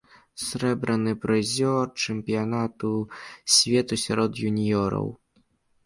Срэбраны прызёр чэмпіянату свету сярод юніёраў.